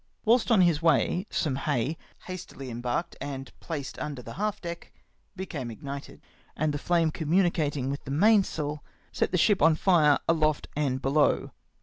Whilst on his way, some hay, hastily em barked and placed under the half deck, became ignited, and the flame communicatino^ v.dtli the mainsail set the ship on fire aloft and below.